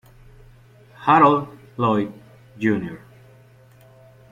Harold Lloyd Jr.